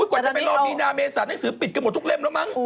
กว่าจะไปรอมีนาเมษาหนังสือปิดกันหมดทุกเล่มแล้วมั้ง